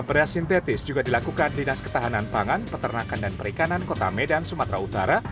beras sintetis juga dilakukan dinas ketahanan pangan peternakan dan perikanan kota medan sumatera utara